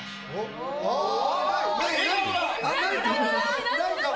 ないかも。